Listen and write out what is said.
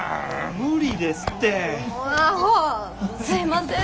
すいません